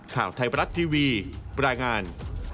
ข่าวไทยบรัฐทีวีรายงาน